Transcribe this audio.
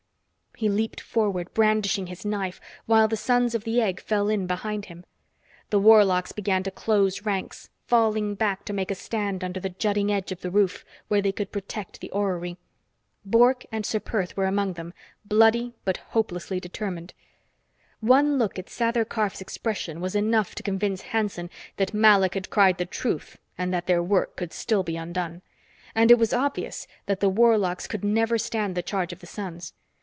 He leaped forward, brandishing his knife, while the Sons of the Egg fell in behind him. The warlocks began to close ranks, falling back to make a stand under the jutting edge of the roof, where they could protect the orrery. Bork and Ser Perth were among them, bloody but hopelessly determined. One look at Sather Karf's expression was enough to convince Hanson that Malok had cried the truth and that their work could still be undone. And it was obvious that the warlocks could never stand the charge of the Sons.